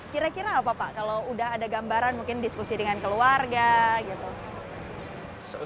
kira kira apa pak kalau udah ada gambaran mungkin diskusi dengan keluarga gitu